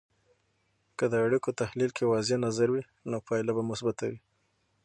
که د اړیکو تحلیل کې واضح نظر وي، نو پایله به مثبته وي.